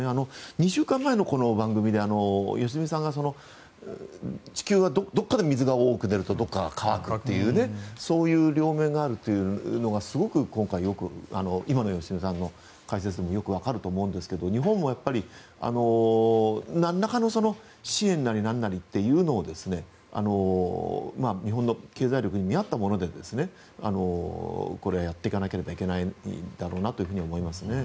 ２週間前のこの番組で良純さんが地球がどこから水が多く出るとどこから乾くかっていうそういう両面があるっていうのが今の良純さんの解説でよく分かりますが、日本も何らかの支援なり何なりを日本の経済力に見合ったものでやっていかなきゃいけないんだろうなと思いますね。